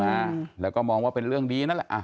อ่าแล้วก็มองว่าเป็นเรื่องดีนั่นแหละอ่ะ